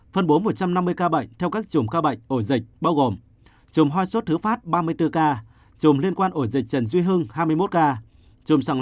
phân bố một trăm năm mươi ca bệnh theo các chùm ca bệnh ổ dịch bao gồm chùm hoi sốt thứ phát ba mươi bốn ca chùm liên quan ổ dịch trần duy hưng hai mươi một ca